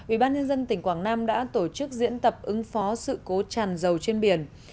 ubnd tỉnh quảng nam đã tổ chức diễn tập ứng phó sự cố tràn dầu trên biển